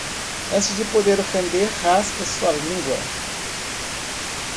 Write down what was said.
Antes de poder ofender, raspe sua língua.